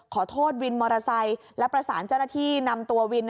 วินมอเตอร์ไซค์และประสานเจ้าหน้าที่นำตัววิน